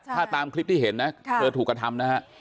ถ้าตามคลิปที่เห็นนะเธอถูกกระทำนะฮะ